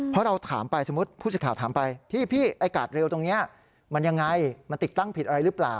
เพราะเราถามไปสมมุติผู้สิทธิ์ข่าวถามไปพี่ไอ้กาดเร็วตรงนี้มันยังไงมันติดตั้งผิดอะไรหรือเปล่า